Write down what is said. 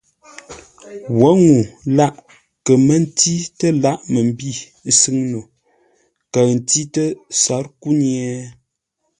Wǒ ŋuu lâʼ kə̌ mə́ ntî tə́ lǎghʼ məmbî sʉ́ŋ no, kəʉ ntî tə́ sǎr kúnye?